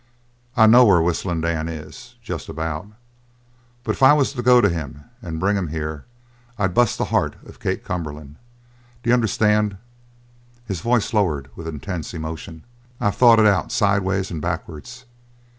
I know where Whistling Dan is just about. But if I was to go to him and bring him here I'd bust the heart of Kate Cumberland. D'you understand?" His voice lowered with an intense emotion. "I've thought it out sideways and backwards.